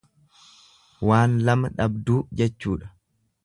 Waan lama dhabduu jechuudha.